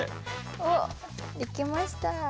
おっできました。